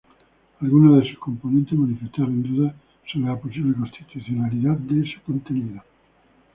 Algunos de sus componentes manifestaron dudas sobre la posible constitucionalidad de su contenido.